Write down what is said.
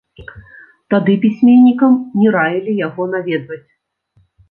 Тады пісьменнікам не раілі яго наведваць.